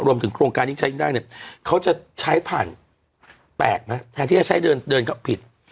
รวมถึงโครงการที่ใช้ได้เนี่ยเขาจะใช้ผ่านแปลกนะแทนที่จะใช้เดินเดินเข้าผิด